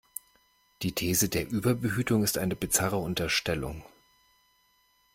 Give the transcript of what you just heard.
Die These der Überbehütung ist eine bizarre Unterstellung.